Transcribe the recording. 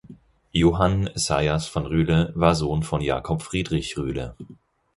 Johann Esaias von Rühle war Sohn von Jakob Friedrich Rühle.